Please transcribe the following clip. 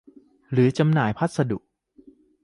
หรือจำหน่ายพัสดุ